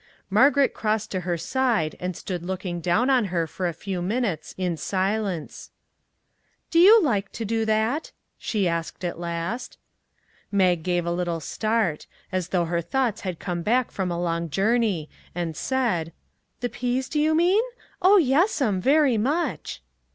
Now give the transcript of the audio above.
Margaret crossed to her side and stood looking down on her for a few min utes in silence. " Do you like to do that? " she asked at last. Mag gave a little start, as though her thoughts had come back from a long journey, and said: "The peas, do you mean? Oh, yes'm very much."